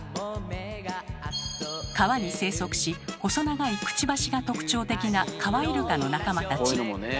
川に生息し細長いクチバシが特徴的なカワイルカの仲間たち。